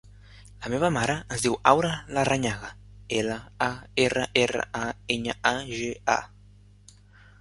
La meva mare es diu Aura Larrañaga: ela, a, erra, erra, a, enya, a, ge, a.